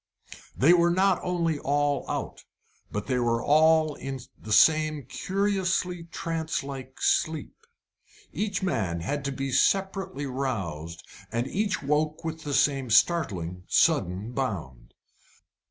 They were not only all out, but they were all in the same curiously trance like sleep. Each man had to be separately roused, and each woke with the same startling, sudden bound.